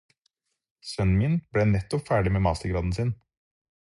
Sønnen min ble nettopp ferdig med mastergraden sin.